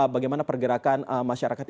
bagaimana pergerakan masyarakat